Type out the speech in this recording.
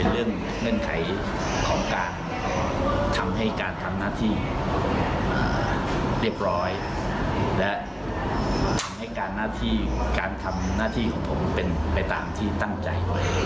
และทำให้การทำหน้าที่ของผมเป็นไปตามที่ตั้งใจ